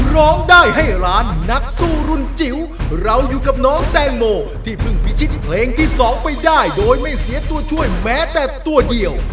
ร้องได้ให้ล้านนักสู้รุ่นจิ๋วเราอยู่กับน้องแตงโมที่เพิ่งพิชิตเพลงที่๒ไปได้โดยไม่เสียตัวช่วยแม้แต่ตัวเดียว